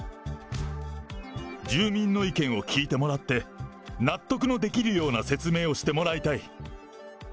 住民の意見を聞いてもらって、納得のできるような説明をしてもらいたい。